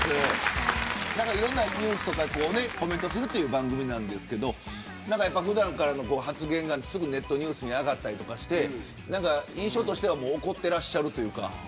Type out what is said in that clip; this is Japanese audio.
いろんなニュースとかコメントする番組なんですけど普段からの発言がすぐネットニュースになったりして印象としては怒っているというか。